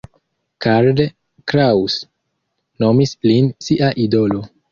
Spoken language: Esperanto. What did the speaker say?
Karl Kraus nomis lin sia idolo.